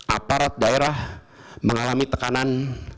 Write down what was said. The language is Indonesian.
aparat daerah mengalami tekanan